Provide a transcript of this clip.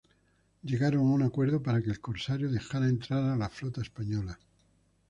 Llegaron a un acuerdo para que el corsario dejara entrar a la flota española.